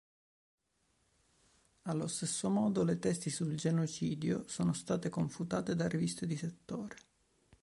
Allo stesso modo le tesi sul genocidio sono state confutate da riviste di settore.